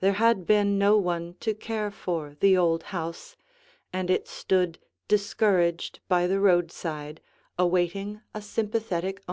There had been no one to care for the old house, and it stood discouraged by the roadside awaiting a sympathetic owner.